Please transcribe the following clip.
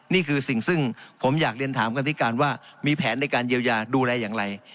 นี่คือสิ่งซึ่งผมอยากเรียนถามกรรมธิการว่ามีแผนในการเยียวยาดูแลอย่างไร